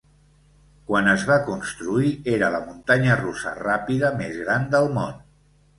Quan es va construir, era la muntanya russa ràpida més gran del món.